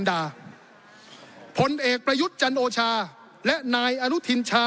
ขอประท้วงครับขอประท้วงครับขอประท้วงครับขอประท้วงครับ